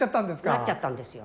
なっちゃったんですよ。